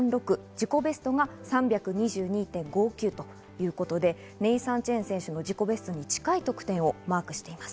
自己ベストが３２２．５９ということでネイサン・チェン選手の自己ベストに近い得点をマークしています。